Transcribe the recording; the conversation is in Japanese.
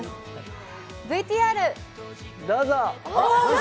ＶＴＲどうぞ！